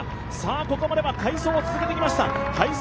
ここまでは快走を続けてきました。